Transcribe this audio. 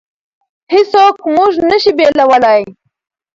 هېڅوک موږ نشي بېلولی.